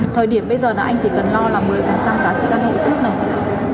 thời điểm bây giờ là anh chỉ cần lo là một mươi giá trị căn hội trước này